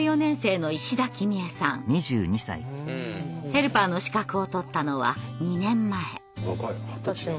ヘルパーの資格を取ったのは２年前。